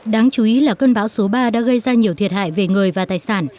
đáng chú ý là cơn bão số ba đã gây ra nhiều thiệt hại về người và tài sản